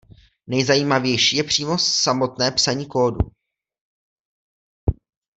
Nejzajímavější je přímo samotné psaní kódu.